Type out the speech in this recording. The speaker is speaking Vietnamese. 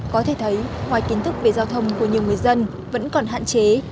có thể thấy ngoài kiến thức về giao thông của nhiều người dân vẫn còn hạn chế